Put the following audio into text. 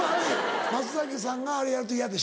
松崎さんがあれやると嫌でしょ。